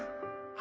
「あ！」